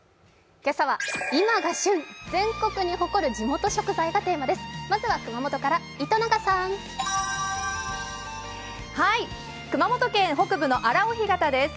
今朝は今が旬全国に誇る地元食材がテーマです。